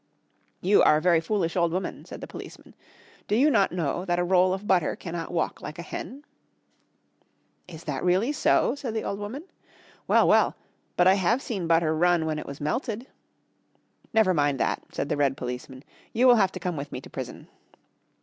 "You are a very foolish old woman," said the policeman. "Do you not know that a roll of butter cannot walk like a hen?" [Illustration: "You are a very foolish old woman."] "Is that really so?" said the old woman. "Well, well. But I have seen butter run when it was melted." "Never mind that," said the red policeman, "you will have to come with me to prison."